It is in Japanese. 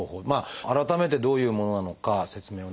改めてどういうものなのか説明をお願いできますか？